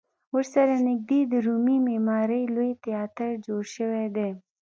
ورسره نږدې د رومي معمارۍ لوی تیاتر جوړ شوی دی.